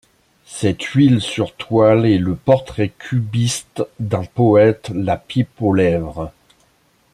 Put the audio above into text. Cette huile sur toile est le portrait cubiste d'un poète la pipe aux lèvres.